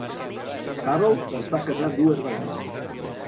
Harold es va casar dues vegades.